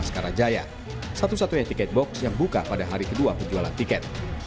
satu satunya tiket box yang buka pada hari kedua penjualan tiket